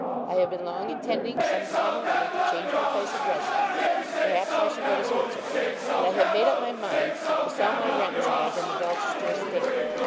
I have been long intending some time or other to change my place of residence, perhaps I shall go to Switzerland, and I have made up my mind to sell my rent charge on the Dulchester estate.